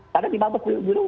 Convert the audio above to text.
kadang di mabes